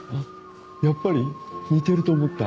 やっぱり？似てると思った。